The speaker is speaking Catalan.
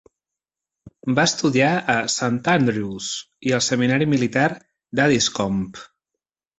Va estudiar a Saint Andrews i al seminari militar d'Addiscombe.